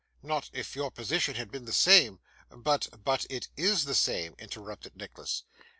not if your position had been the same, but ' 'But it is the same,' interrupted Nicholas.